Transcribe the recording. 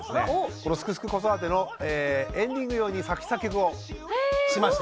この「すくすく子育て」のエンディング用に作詞・作曲をしまして。